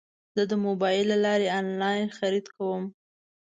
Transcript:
زه د موبایل له لارې انلاین خرید کوم.